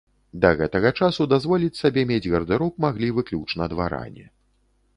Да гэтага часу дазволіць сабе мець гардэроб маглі выключна дваране.